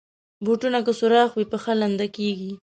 بوټونه که سوراخ وي، پښه لنده کېږي.